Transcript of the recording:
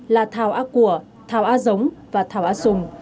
là thảo á của thảo á giống và thảo á sùng